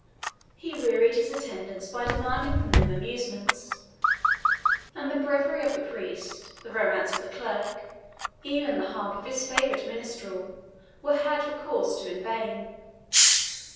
He wearied his attendants by demanding from them amusements, and the breviary of the priest, the romance of the clerk, even the harp of his favourite minstrel, were had recourse to in vain.